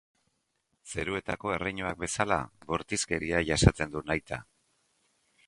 Zeruetako erreinuak bezala, bortizkeria jasaten du nahita.